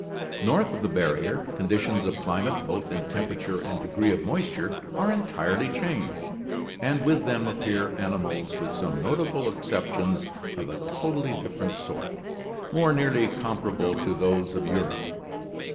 North of the barrier, conditions of climate, both in temperature and degree of moisture, are entirely changed, and with them appear animals, with some notable exceptions, of a totally different sort, more nearly comparable to those of Europe.